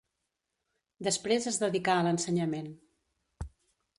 Després es dedicà a l'ensenyament.